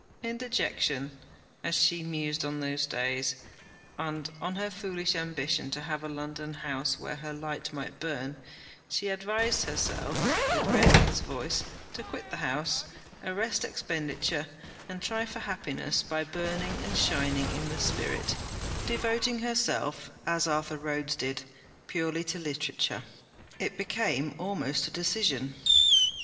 In dejection, as she mused on those days, and on her foolish ambition to have a London house where her light might burn, she advised herself, with Redworth's voice, to quit the house, arrest expenditure, and try for happiness by burning and shining in the spirit: devoting herself, as Arthur Rhodes did, purely to literature. It became almost a decision.